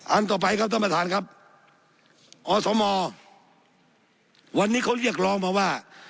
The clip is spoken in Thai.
ต่อไปครับท่านประธานครับอสมวันนี้เขาเรียกร้องมาว่า